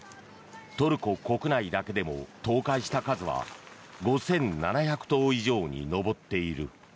トルコ国内だけでも倒壊した数は５７００棟以上に上っている。